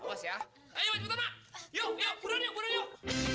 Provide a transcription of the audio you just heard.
awas ya ayo mas pertama yuk yuk buruan yuk buruan yuk